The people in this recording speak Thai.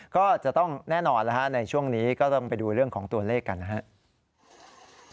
ก็จะต้องแน่นอนแล้วฮะในช่วงนี้ก็ต้องไปดูเรื่องของตัวเลขกันนะครับ